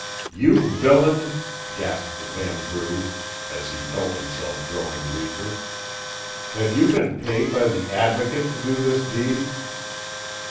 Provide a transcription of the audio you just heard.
"You villain!" gasped Vanbrugh, as he felt himself growing weaker. "Have you been paid by the Advocate to do this deed?"